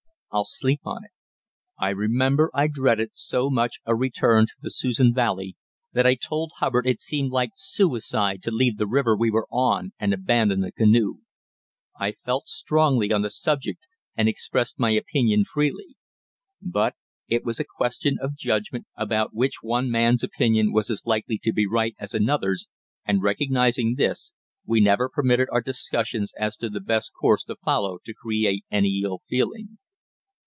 I'll sleep on it." I remember I dreaded so much a return to the Susan Valley that I told Hubbard it seemed like suicide to leave the river we were on and abandon the canoe. I felt strongly on the subject and expressed my opinion freely. But it was a question of judgment about which one man's opinion was as likely to be right as another's and, recognising this, we never permitted our discussions as to the best course to follow to create any ill feeling.